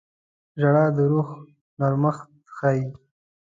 • ژړا د روح نرمښت ښيي.